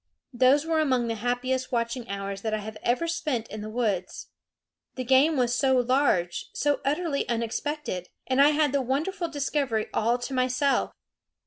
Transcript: Those were among the happiest watching hours that I have ever spent in the woods. The game was so large, so utterly unexpected; and I had the wonderful discovery all to myself.